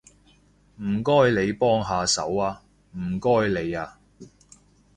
唔該你幫下手吖，唔該你吖